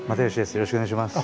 よろしくお願いします。